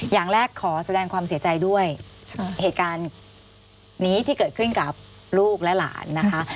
อย่างแรกขอแสดงความเสียใจด้วยเหตุการณ์นี้ที่เกิดขึ้นกับลูกและหลานนะคะ